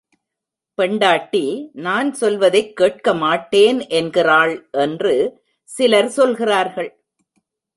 பெண்டாட்டி நான் சொல்வதைக் கேட்க மாட்டேன் என்கிறாள் என்று சிலர் சொல்கிறார்கள்.